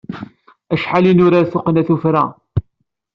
Acḥal i nurar tuqqna tuffra.